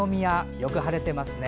よく晴れていますね。